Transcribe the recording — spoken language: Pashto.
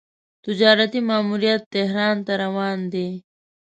تجارتي ماموریت تهران ته روان دی.